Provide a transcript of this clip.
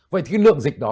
vậy thì lượng dịch đó